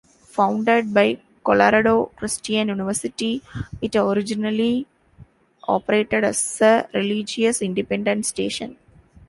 Founded by Colorado Christian University, it originally operated as a religious independent station.